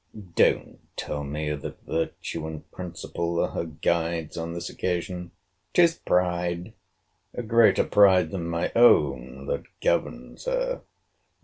Don't tell me that virtue and principle are her guides on this occasion!—'Tis pride, a greater pride than my own, that governs her.